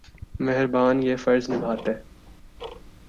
مہربان یہ فرض نبھاتے۔